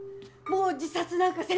もう自殺なんかせんて。